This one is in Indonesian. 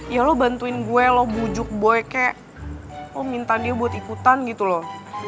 ya lo bantuin gue lo bujuk boy kayak oh minta dia buat ikutan gitu loh